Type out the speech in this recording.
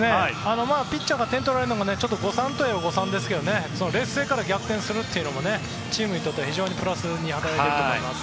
ピッチャーが点を取られるのは誤算といえば誤算ですけど劣勢から逆転するというのもチームにとっては非常にプラスに働いていると思います。